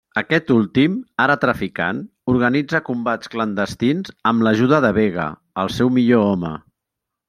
Aquest últim, ara traficant, organitza combats clandestins amb l'ajuda de Vega, el seu millor home.